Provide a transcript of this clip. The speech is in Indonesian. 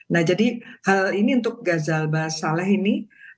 nah jadi hal ini untuk gazal basaleh ini